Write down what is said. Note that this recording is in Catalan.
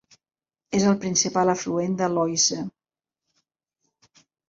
És el principal afluent de l'Oise.